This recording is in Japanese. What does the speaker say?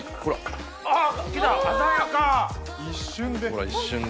ほら一瞬で。